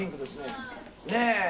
「ねえ。